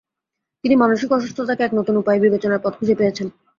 তিনি মানুসিক অসুস্থতাকে এক নতুন উপায়ে বিবেচনার পথ খুঁজে পেয়েছেন।